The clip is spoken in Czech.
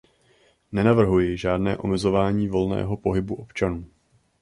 Nenavrhuji žádné omezování volného pohybu občanů.